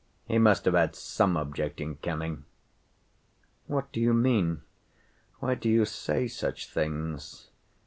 He must have had some object in coming." "What do you mean? Why do you say such things?"